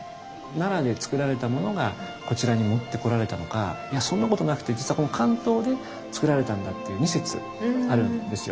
奈良でつくられたものがこちらに持ってこられたのかいやそんなことなくて実はこの関東でつくられたんだっていう２説あるんですよ。